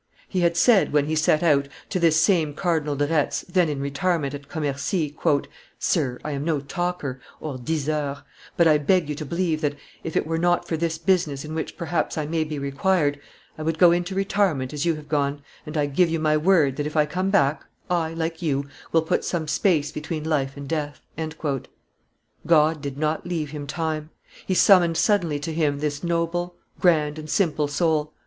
He had said, when he set out, to this same Cardinal de Retz, then in retirement at Commercy, "Sir, I am no talker (diseur), but I beg you to believe that, if it were not for this business in which perhaps I may be required, I would go into retirement as you have gone, and I give you my word that, if I come back, I, like you, will put some space between life and death." God did not leave him time. He summoned suddenly to Him this noble, grand, and simple soul.